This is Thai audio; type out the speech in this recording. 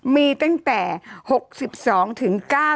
มีตั้งแต่๖๒๙๕